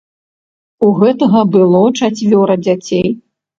У гэтага было чацвёра дзяцей.